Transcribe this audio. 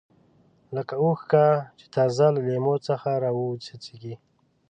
لکه اوښکه چې تازه له لیمو څخه راوڅڅېږي.